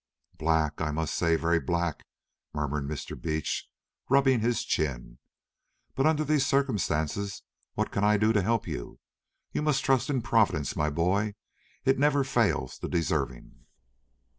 "Black, I must say, very black," murmured Mr. Beach, rubbing his chin. "But under these circumstances what can I do to help you? You must trust in Providence, my boy; it never fails the deserving."